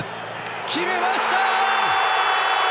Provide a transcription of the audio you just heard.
決めました！